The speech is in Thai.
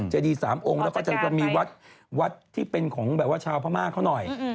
เจดี๓องค์แล้วก็จะมีวัดที่เป็นของแบบว่าชาวพม่าเขาหน่อย